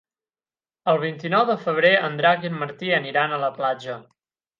El vint-i-nou de febrer en Drac i en Martí aniran a la platja.